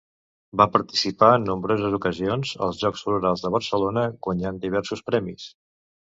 Va participar en nombroses ocasions als Jocs Florals de Barcelona, guanyant diversos premis.